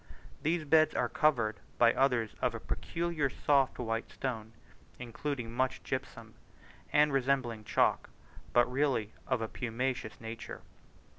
These beds are covered by others of a peculiar soft white stone, including much gypsum, and resembling chalk, but really of a pumiceous nature.